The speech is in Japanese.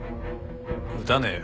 撃たねえよ。